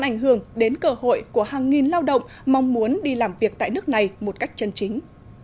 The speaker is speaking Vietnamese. ảnh hưởng đến cơ hội của hàng nghìn lao động mong muốn đi làm việc tại nước này một cách chân chính